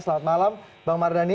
selamat malam bang mardhani